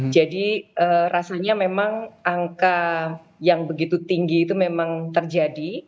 rasanya memang angka yang begitu tinggi itu memang terjadi